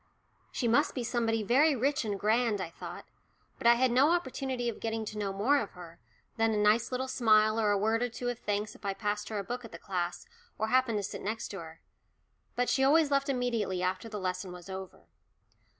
"She must be somebody very rich and grand," I thought. But I had no opportunity of getting to know more of her, than a nice little smile or a word or two of thanks if I passed her a book at the class or happened to sit next her. For she always left immediately after the lesson was over.